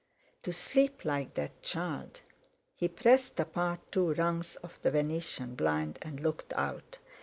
To sleep like that child! He pressed apart two rungs of the venetian blind and looked out.